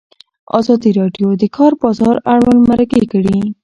ازادي راډیو د د کار بازار اړوند مرکې کړي.